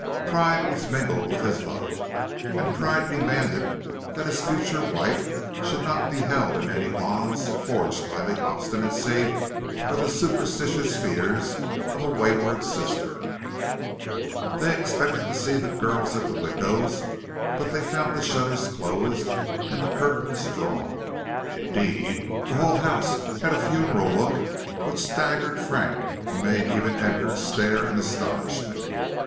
Pride was mingled with his love, and pride demanded that his future wife should not be held in any bonds forged by the obstinacy or the superstitious fears of a wayward sister. They expected to see the girls at the windows, but they found the shutters closed and the curtains drawn. Indeed, the whole house had a funereal look which staggered Frank and made even Edgar stare in astonishment.